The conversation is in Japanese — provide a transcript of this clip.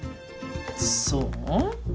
そう？